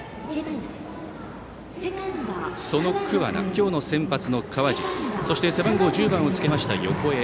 その桑名、今日先発の川尻そして背番号１０番をつけました横江。